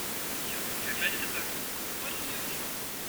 Ich habe es dir gleich gesagt, aber du wolltest ja nicht hören.